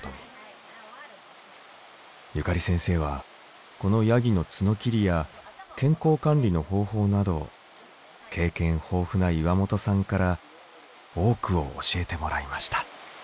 ゆかり先生はこのヤギの角切りや健康管理の方法など経験豊富な岩本さんから多くを教えてもらいました。